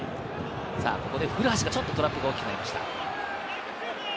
ここで古橋、ちょっとトラップが大きくなりました。